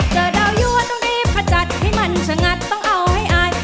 เจอดาวยวนต้องรีบขจัดให้มันชะงัดต้องเอาให้อาย